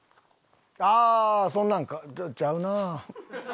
ああそんなんかちゃうなあ。